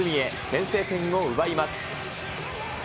先制点を奪います。